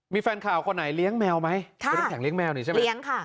มีแฟนข่าวคนไหนเลี้ยงแมวไหมค่ะเลี้ยงแมวนี้ใช่ไหมเลี้ยงค่ะ